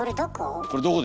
これどこ？